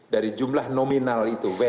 dari jumlah nominal itu